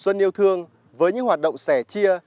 xuân yêu thương với những hoạt động sẻ chia